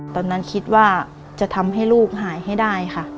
ตอนนั้นคิดว่าจะทำให้ลูกหายให้ได้ค่ะ